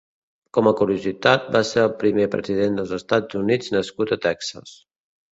Com a curiositat, va ser el primer President dels Estats Units nascut a Texas.